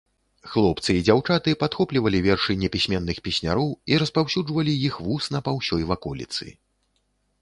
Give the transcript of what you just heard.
Хлопцы і дзяўчаты падхоплівалі вершы непісьменных песняроў і распаўсюджвалі іх вусна па ўсёй ваколіцы.